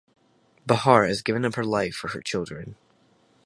Bahar has given up her life for her children.